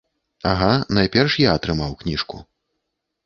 Ага, найперш я атрымаў кніжку.